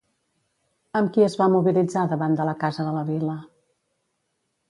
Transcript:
Amb qui es va mobilitzar davant de la casa de la vila?